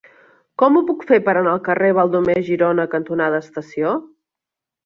Com ho puc fer per anar al carrer Baldomer Girona cantonada Estació?